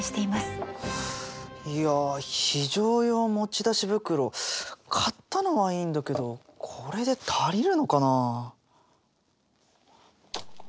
いやあ非常用持ち出し袋買ったのはいいんだけどこれで足りるのかなあ。